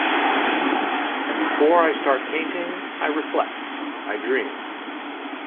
And before I start painting I reflect, I dream.